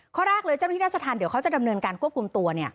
ข้อแรกเลยเจ้าหน้าที่ราชธรรมเดี๋ยวเขาจะดำเนินการควบคุมตัว